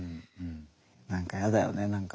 何か嫌だよね何か。